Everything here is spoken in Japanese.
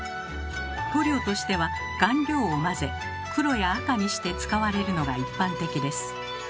塗料としては顔料を混ぜ黒や赤にして使われるのが一般的です。